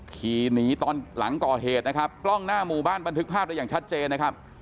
ขี่หนีตอนหลังก่อเหตุนะครับกล้องหน้าหมู่บ้านบันทึกภาพได้อย่างชัดเจนนะครับ